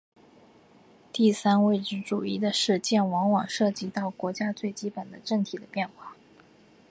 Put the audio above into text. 第三位置主义的实践往往涉及到国家最基本政体的变化。